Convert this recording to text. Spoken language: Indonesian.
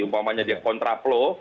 umpamanya dia kontraplo